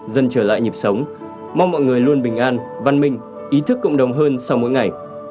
dần trở lại nhịp sống mong mọi người luôn bình an văn minh ý thức cộng đồng hơn sau mỗi ngày